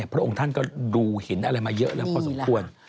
พระองค์ท่านก็ดูเห็นอะไรมาเยอะแล้วพอสมควร